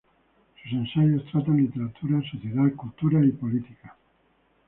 Sus ensayos tratan literatura, sociedad, cultura y política.